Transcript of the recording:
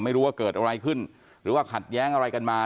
ไม่รู้ว่าเกิดอะไรขึ้นหรือว่าขัดแย้งอะไรกันมา